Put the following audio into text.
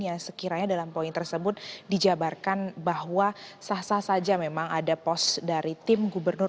yang sekiranya dalam poin tersebut dijabarkan bahwa sah sah saja memang ada pos dari tim gubernur